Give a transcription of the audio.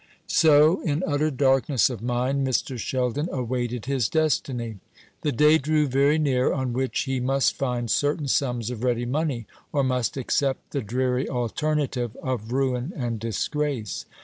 So, in utter darkness of mind, Mr. Sheldon awaited his destiny. The day drew very near on which he must find certain sums of ready money, or must accept the dreary alternative of ruin and disgrace.